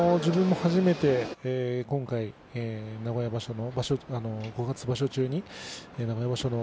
自分が初めて今回五月場所中に来場所の